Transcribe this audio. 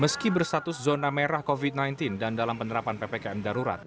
meski berstatus zona merah covid sembilan belas dan dalam penerapan ppkm darurat